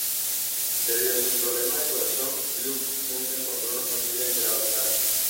Debido a sus problemas de corazón, Lux nunca encontró una familia que la adoptara.